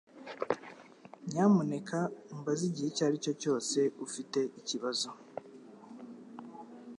Nyamuneka umbaze igihe icyo ari cyo cyose ufite ikibazo.